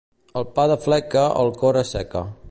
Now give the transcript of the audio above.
El pa de fleca el cor asseca.